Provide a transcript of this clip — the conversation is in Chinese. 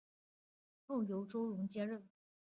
后由周荣接任。